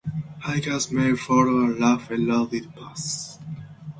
Hikers may follow a rough eroded path.